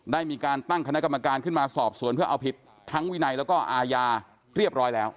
ได้มีการตั้งคณะกรรมการขึ้นมาสอบสวนเพื่อเอาผิดทั้งวินัยแล้วก็อาญาเรียบร้อยแล้ว